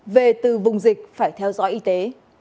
về từ vùng dịch phải theo dõi y tế